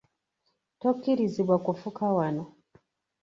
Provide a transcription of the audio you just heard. Tokkirizibwa kufuka wano.